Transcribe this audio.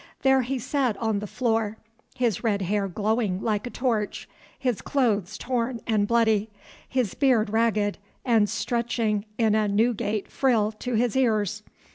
There he sat on the floor, his red hair glowing like a torch, his clothes torn and bloody, his beard ragged and stretching in a Newgate frill to his ears.